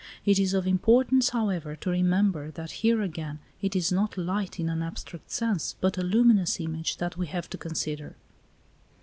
It is of importance, however, to remember that here again it is not light, in an abstract sense, but a luminous image that we have to consider.